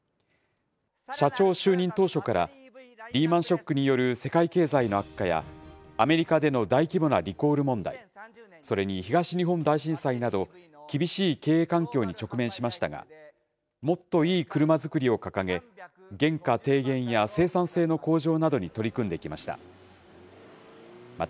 社長就任当初から、リーマンショックによる世界経済の悪化や、アメリカでの大規模なリコール問題、それに東日本大震災など、厳しい経営環境に直面しましたが、もっといいクルマづくりを掲げ、原価低減や生産性の向上などに取り組んできました。